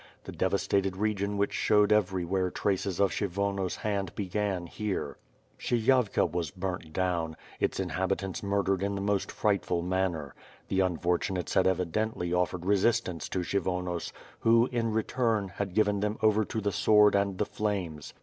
The devastated region which showed everywhere traees of Krshyvonos' hand began here. Stshyjavka was burnt down; its inhabitants murdered in the most frightful manner; the unfortunates had evidently offered resistance to Kshyvonos who, in return, had given them over to the sword and the flames.